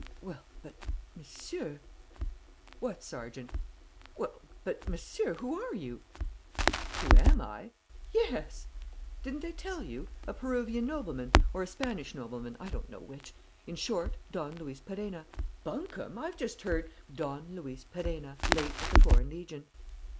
"Well, but, Monsieur " "What, Sergeant?" "Well, but, Monsieur, who are you?" "Who am I?" "Yes." "Didn't they tell you? A Peruvian nobleman, or a Spanish nobleman, I don't know which. In short, Don Luis Perenna." "Bunkum! I've just heard " "Don Luis Perenna, late of the Foreign Legion."